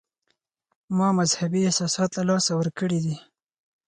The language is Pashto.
ما مذهبي احساسات له لاسه ورکړي وي.